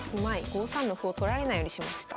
５三の歩を取られないようにしました。